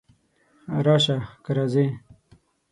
راشه! که راځې!